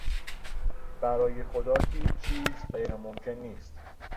برای خدا هیچ چیز غیرممکن نیست.